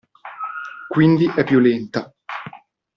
Quindi è più lenta.